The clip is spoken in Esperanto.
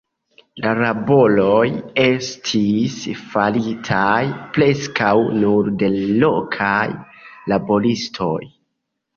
La laboroj estis faritaj preskaŭ nur de lokaj laboristoj.